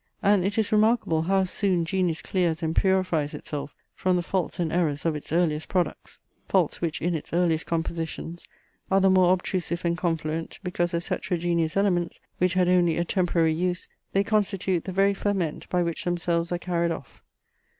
And it is remarkable how soon genius clears and purifies itself from the faults and errors of its earliest products; faults which, in its earliest compositions, are the more obtrusive and confluent, because as heterogeneous elements, which had only a temporary use, they constitute the very ferment, by which themselves are carried off.